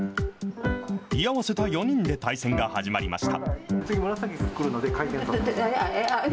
居合わせた４人で対戦が始まりました。